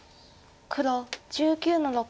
黒１９の六。